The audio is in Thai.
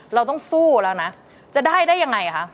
เราต้องสู้แล้วนะจะได้ได้ยังไงคะ